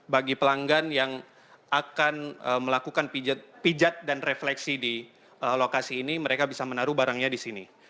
bagi pelanggan yang akan melakukan pijat dan refleksi di lokasi ini mereka bisa menaruh barangnya di sini